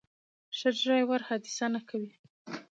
ښه ډرایور حادثه نه کوي.